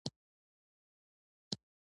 زه خپله تجربه لیکم.